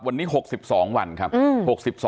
วันนี้๖๒วันครับ